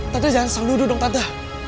tante jangan sang duduk dong tante